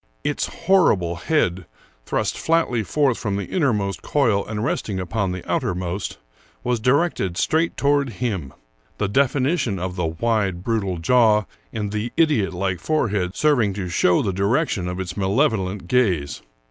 Its horrible head, thrust flatly forth from the innermost coil and resting upon the outermost, was directed straight toward him, the definition of the wide, brutal jaw and the idiotlike forehead serving to show the direction of its malevolent gaze.